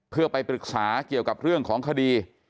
เพื่อไปปรึกษาเกี่ยวกับเรื่องของคดี